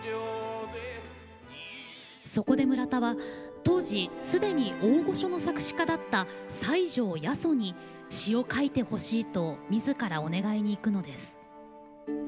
そこで村田は当時すでに大御所の作詞家だった西條八十に詞を書いてほしいとみずからお願いに行くのです。